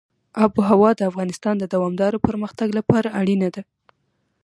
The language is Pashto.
آب وهوا د افغانستان د دوامداره پرمختګ لپاره اړینه ده.